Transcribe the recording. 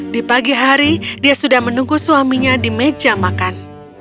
di pagi hari dia sudah menunggu suaminya di meja makan